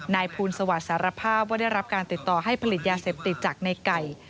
นายภูลสวัสดิ์สารภาพว่าได้รับการติดต่อให้ผลิตยาเสพติดจากในไก่